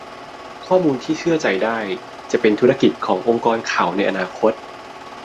ข้อมูลที่เชื่อใจได้ จะเป็นธุรกิจขององค์กรข่าวในอนาคต